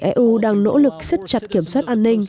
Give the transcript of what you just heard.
eu đang nỗ lực siết chặt kiểm soát an ninh